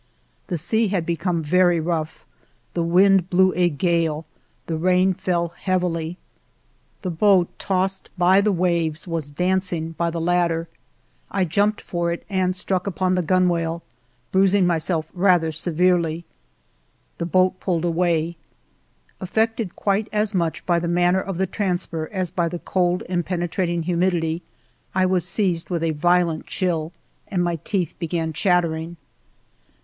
The sea had become very rough, the wind blew a gale, the rain fell heavily. The boat, tossed by the waves, was dancing by the ladder. I 298 FIVE YEARS OF MY LIFE jumped for it and struck upon the gunwale, bruising myself rather severely. The boat pulled away. Affected quite as much by the manner of the transfer as by the cold and penetrating humidity, I was seized with a violent chill and my teeth began chattering.